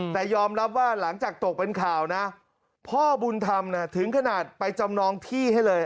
แต่ยอมรับว่าหลังจากตกเป็นข่าวนะพ่อบุญธรรมถึงขนาดไปจำนองที่ให้เลย